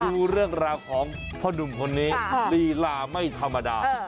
ดูเรื่องราวของพ่อหนุ่มคนนี้ลีลาไม่ธรรมดา